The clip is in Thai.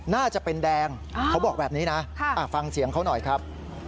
น่าจะเป็นแดงเขาบอกแบบนี้นะฟังเสียงเขาหน่อยครับ